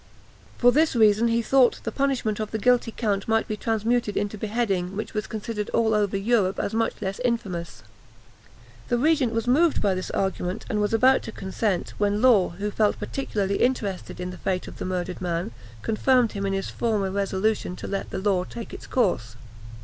For this reason, he thought the punishment of the guilty count might be transmuted into beheading, which was considered all over Europe as much less infamous. The regent was moved by this argument, and was about to consent, when Law, who felt peculiarly interested in the fate of the murdered man, confirmed him in his former resolution to let the law take its course.